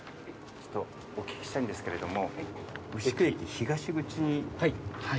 ちょっとお聞きしたいんですけれども。